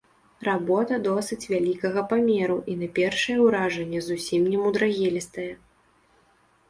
Работа досыць вялікага памеру і на першае ўражанне зусім немудрагелістая.